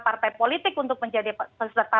partai politik untuk menjadi peserta